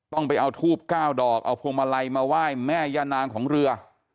ต้องไปเอาทูบ๙ดอกเอาพวงมาลัยมาไหว้แม่ย่านางของเรือ